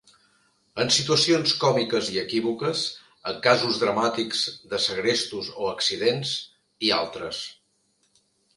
En situacions còmiques i equívoques, en casos dramàtics de segrestos o accidents, i altres.